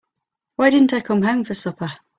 Why didn't I come home for supper?